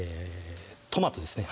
トマトですね